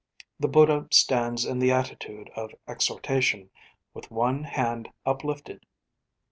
The Buddha stands in the attitude of exhortation, with one, hand uplifted.